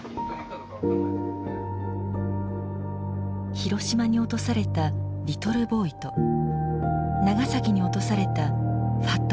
広島に落とされたリトルボーイと長崎に落とされたファットマン。